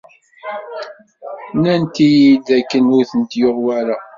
Nnant-iyi-d dakken ur ten-yuɣ wara.